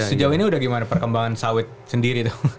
sejauh ini udah gimana perkembangan sawit sendiri tuh